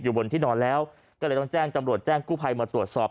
บนที่นอนแล้วก็เลยต้องแจ้งจำรวจแจ้งกู้ภัยมาตรวจสอบ